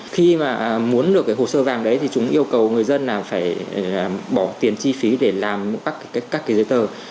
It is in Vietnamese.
khi muốn được hồ sơ vàng đấy chúng yêu cầu người dân bỏ tiền chi phí để làm các giấy tờ